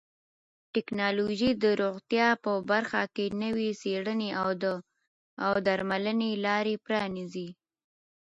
ټکنالوژي د روغتیا په برخه کې نوې څیړنې او درملنې لارې پرانیزي.